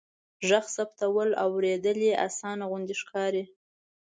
ږغ ثبتول او اوریدل يې آسانه غوندې ښکاري.